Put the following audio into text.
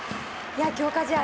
強化試合